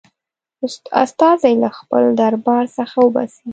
استازی له خپل دربار څخه وباسي.